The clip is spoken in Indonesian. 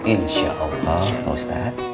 insya allah pak ustadz